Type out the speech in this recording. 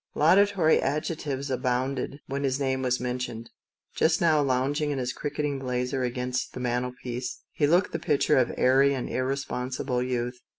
Laudatory adjectives abounded when his name was mentioned. Just now, lounging in his cricketing blazer against the mantelpiece, Jimmie looked the picture of airy and irresponsible youth.